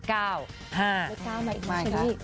เลข๙อะไรอีกมั้ยครับชิคกี้พาย